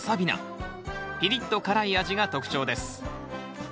ピリッと辛い味が特徴です。